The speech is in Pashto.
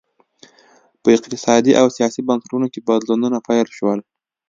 په اقتصادي او سیاسي بنسټونو کې بدلونونه پیل شول